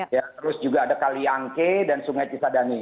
terus juga ada kaliangke dan sungai cisadane